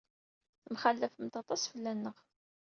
Temxallafemt aṭas fell-aneɣ.